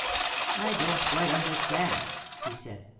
"I don't quite understand," he said.